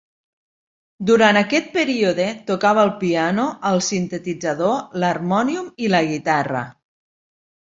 Durant aquest període tocava el piano, el sintetitzador, l'harmònium i la guitarra.